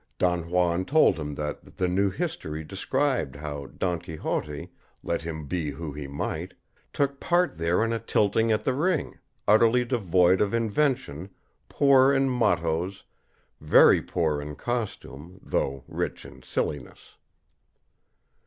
Don Juan told him that the new history described how Don Quixote, let him be who he might, took part there in a tilting at the ring, utterly devoid of invention, poor in mottoes, very poor in costume, though rich in sillinesses.